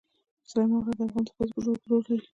سلیمان غر د افغان ښځو په ژوند کې رول لري.